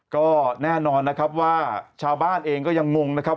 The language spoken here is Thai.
ก็แน่นอนนะครับว่าชาวบ้านเองก็ยังงงนะครับ